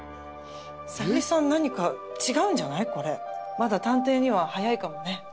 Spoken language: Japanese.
まだ探偵には早いかもね。